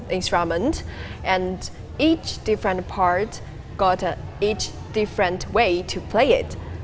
dan setiap bagian berbeda memiliki cara berbeda untuk dipelajari